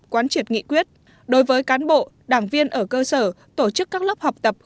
quán triệt nghị quyết đối với cán bộ đảng viên ở cơ sở tổ chức các lớp học tập